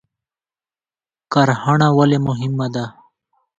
کرهڼه ولې مهمه ده؟